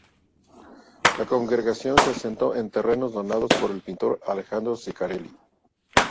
La congregación se asentó en terrenos donados por el pintor Alejandro Cicarelli.